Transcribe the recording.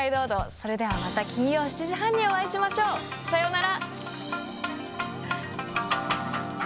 それではまた金曜７時半にお会いしましょう。さよなら！